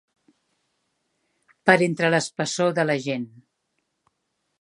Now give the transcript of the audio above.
Per entre l'espessor de la gent.